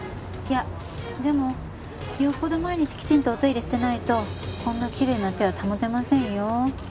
いやでもよっぽど毎日きちんとお手入れしてないとこんなきれいな手は保てませんよ。